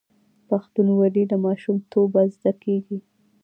پښتونولي له ماشومتوبه زده کیږي.